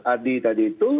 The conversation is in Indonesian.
ade tadi itu